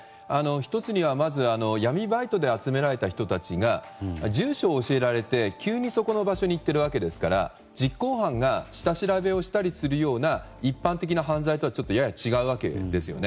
１つには闇バイトで集められた人たちが住所を教えられて、急にそこに行っているわけですから実行犯が下調べをしたりするような一般的な犯罪とはやや違うわけですよね。